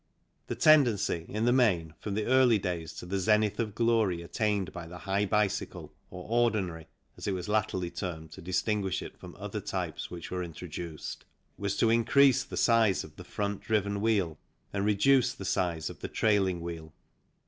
The tendency, in the main, from the early days to the zenith of glory attained by the high bicycle, or " ordinary " (as it was latterly termed to distinguish it from other types which were introduced) was to increase the size of the front driven wheel and reduce the size of the trailing wheel.